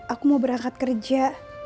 aku mau berangkat kerja